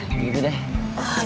jangan sampai bubar dong